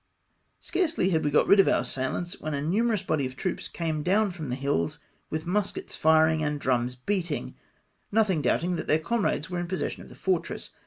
Scarcely had we got rid of our assailants, when a numerous body of troops came down from the hills with muskets firing and drums beating, nothing doubt ing that their comrades were in possession of the fortress.